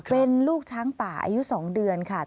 เป็นลูกช้างป่าอายุ๒เดือนค่ะ